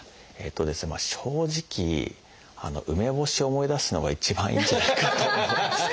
まあ正直梅干しを思い出すのが一番いいんじゃないかと。